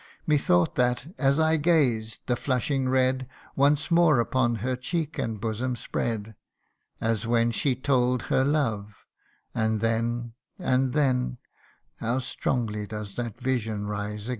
Methought that, as I gazed, the flushing red Once more upon her cheek and bosom spread, As when she told her love ; and then and then (How strongly does that vision rise again